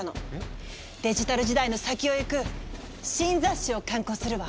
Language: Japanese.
デジタル時代の先を行く新雑誌を刊行するわ。